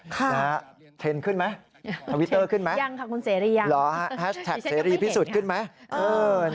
ค่ะเทรนด์ขึ้นไหมทวิตเตอร์ขึ้นไหมหรอแฮชแท็กเสรีพิสุทธิ์ขึ้นไหมคุณเสรียัง